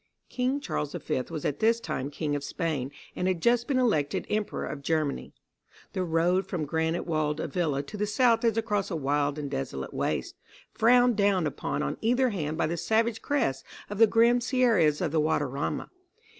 (1) King Charles the Fifth was at this time King of Spain, and had just been elected Emperor of Germany. The road from granite walled Avila to the south is across a wild and desolate waste, frowned down upon on either hand by the savage crests of the grim sierras of the Guadarrama.